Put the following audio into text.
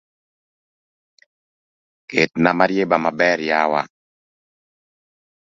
Ketna marieba maber yawa